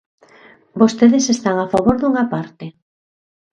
Vostedes están a favor dunha parte.